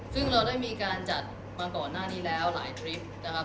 ซึ่งเราได้มีการจัดมาก่อนหน้านี้แล้วหลายทริปนะครับ